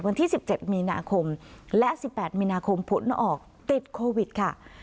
วันที่๑๗มีนาคมและ๑๘มีนาคมผลออกติดโควิดค่ะ